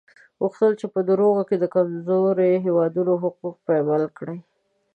غوښتل یې په دروغو د کمزورو هېوادونو حقوق پایمال کړي.